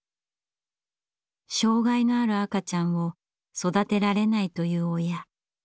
障害のある赤ちゃんを育てられないという親。